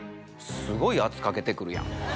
すごい圧かけてくるやん。